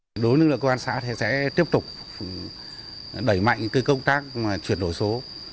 đối với lực lượng công an xã thì sẽ tiếp tục đẩy mạnh công tác chuyển đổi số